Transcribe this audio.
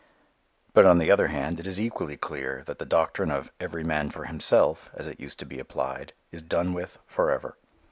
But on the other hand it is equally clear that the doctrine of "every man for himself," as it used to be applied, is done with forever.